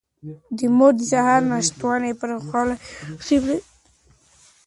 د مور د سهار ناشتې پرېښودل مناسب نه دي.